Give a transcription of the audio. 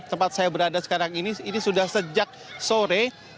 tempat saya berada sekarang ini ini sudah sejak sore